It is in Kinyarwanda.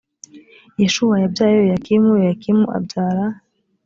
yeshuwa yabyaye yoyakimu yoyakimu abyara